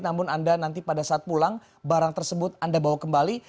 namun anda nanti pada saat pulang barang tersebut anda bawa kembali